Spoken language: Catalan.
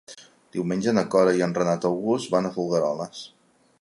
Diumenge na Cora i en Renat August van a Folgueroles.